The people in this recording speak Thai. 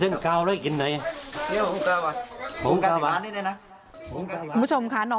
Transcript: วานเข้าไปเปิดไฟในบ้าน